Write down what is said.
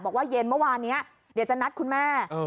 บอกว่าเย็นเมื่อวานเนี้ยเดี๋ยวจะนัดคุณแม่เออ